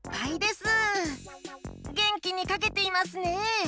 げんきにかけていますね！